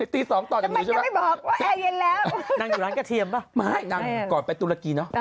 ตีสองต่อจากหนูใช่ไหมครับนั่งอยู่ร้านกระเทียมป่ะไม่นั่งก่อนไปตุรกีเนอะ